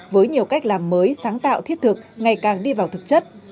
với nhiều cách làm mới sáng tạo thiết thực ngày càng đi vào thực chất